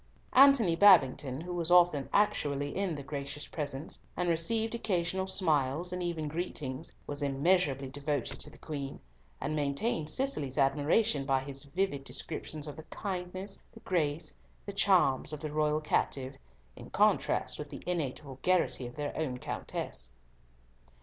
Antony Babington, who was often actually in the gracious presence, and received occasional smiles, and even greetings, was immeasurably devoted to the Queen, and maintained Cicely's admiration by his vivid descriptions of the kindness, the grace, the charms of the royal captive, in contrast with the innate vulgarity of their own Countess.